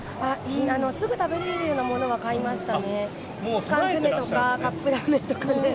すぐ食べられるようなものは買いましたね。